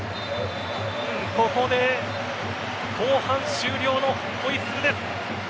ここで後半終了のホイッスルです。